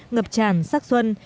ngập tràn sắc xuân